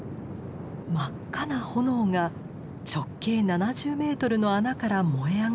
真っ赤な炎が直径７０ｍの穴から燃え上がっています。